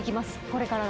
これから。